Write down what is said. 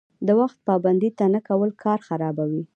د وخت پابندي نه کول کار خرابوي.